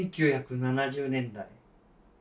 １９７０年代。